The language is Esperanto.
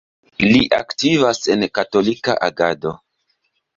Li aktivas en Katolika Agado.